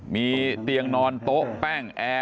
มีเตียงนอนโต๊ะแป้งแอร์